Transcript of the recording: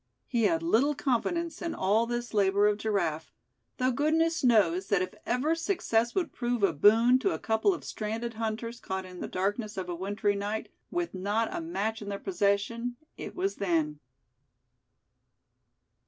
He had little confidence in all this labor of Giraffe; though goodness knows, that if ever success would prove a boon to a couple of stranded hunters caught in the darkness of a wintry night, with not a match in their possession, it was then.